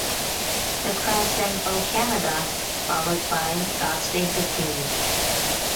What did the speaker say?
The crowd sang "O Canada" followed by "God Save the Queen".